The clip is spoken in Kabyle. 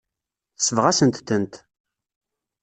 Tesbeɣ-asent-tent.